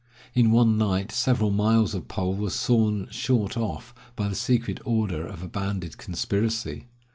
In one night several miles of poles were sawed short off, by the secret order of a banded conspiracy.